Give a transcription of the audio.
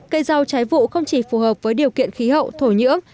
cây rau trái vụ không chỉ phù hợp với điều kiện khí hậu thổ nhưỡng